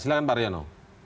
silahkan pak riano